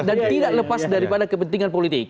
dan tidak lepas daripada kepentingan politik